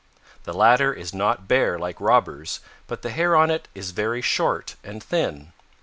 The latter is not bare like Robber's, but the hair on it is very short and thin.